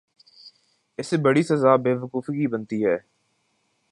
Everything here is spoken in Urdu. اس سے بڑی سزا بے وقوفی کی بنتی ہے۔